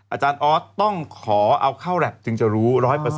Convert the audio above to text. อาจารย์ออสต้องขออัลค่าวแรปจึงจะรู้๑๐๐